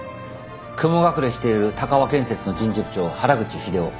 雲隠れしている鷹和建設の人事部長原口秀夫。